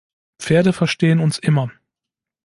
Pferde verstehen uns immer.